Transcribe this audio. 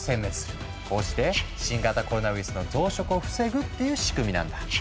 こうして新型コロナウイルスの増殖を防ぐっていう仕組みなんだ。